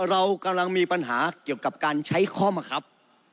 เรากำลังมีปัญหาเกี่ยวกับการใช้ข้อมะครับ